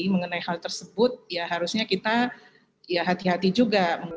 mengenai hal tersebut ya harusnya kita ya hati hati juga